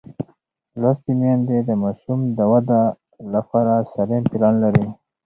لوستې میندې د ماشوم د وده لپاره سالم پلان لري.